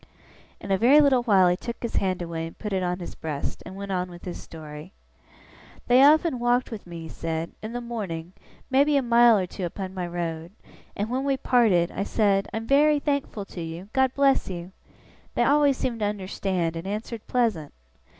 In a very little while he took his hand away and put it on his breast, and went on with his story. 'They often walked with me,' he said, 'in the morning, maybe a mile or two upon my road; and when we parted, and I said, "I'm very thankful to you! God bless you!" they always seemed to understand, and answered pleasant.